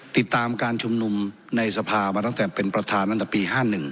ติดตามการชุมนุมในสภามาตั้งแต่เป็นประธานตั้งแต่ปี๕๑